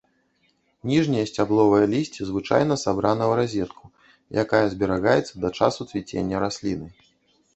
Ніжняе сцябловае лісце звычайна сабрана ў разетку, якая зберагаецца да часу цвіцення расліны.